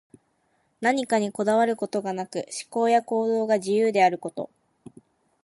何かにこだわることがなく、思考や行動が自由であること。